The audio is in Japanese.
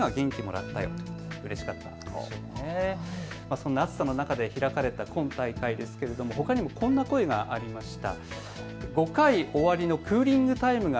そんな暑さの中で開かれた今大会ですが、ほかにもこんな声がありました。